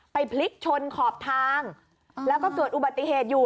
พลิกชนขอบทางแล้วก็เกิดอุบัติเหตุอยู่